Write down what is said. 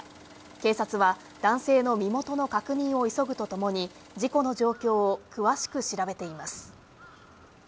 警察は男性の身元の確認を急ぐとともに、事故の状況を詳しく調べています。